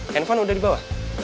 handphone udah dibawa